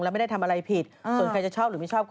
แล้วไม่ได้ทำอะไรผิดส่วนใครจะชอบหรือไม่ชอบก็